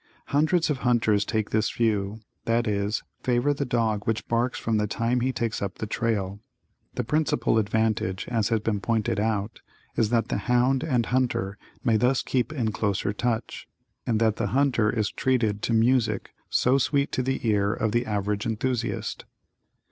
Hundreds of hunters take this view, that is, favor the dog which barks from the time he takes up the trail. The principal advantage as has been pointed out, is that the hound and hunter may thus keep in closer touch, and that the hunter is treated to "music," so sweet to the ear of the average enthusiast.